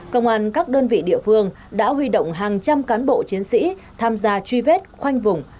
công an các đơn vị địa phương đã huy động hàng trăm cán bộ chiến sĩ tham gia truy vết khoanh vùng